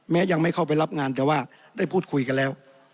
ยังไม่เข้าไปรับงานแต่ว่าได้พูดคุยกันแล้ว